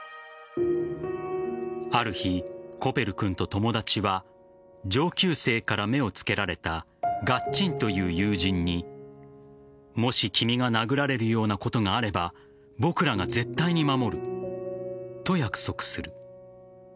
ある日、コペル君と友達は上級生から目をつけられたガッチンという友人にもし君が殴られるようなことがあれば僕らが絶対に守ると約束する。